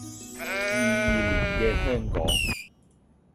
二二年嘅香港